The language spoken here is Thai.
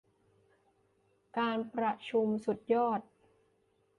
การประชุมสุดยอด